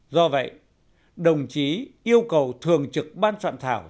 do vậy đồng chí yêu cầu thường trực ban soạn thảo